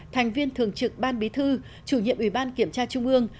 thành viên thường trực ban bí thư chủ nhiệm ủy ban kiểm tra trung ương